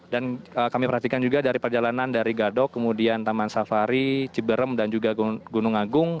dan kami perhatikan juga dari perjalanan dari gadok kemudian taman safari jiberem dan juga gunung agung